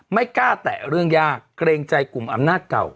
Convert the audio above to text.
ไม่กล้าแตะเรื่องยากเกรงใจกลุ่มอำนาจเก่า